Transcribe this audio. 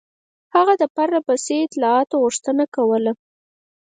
هغه د پرله پسې اطلاعاتو غوښتنه کوله.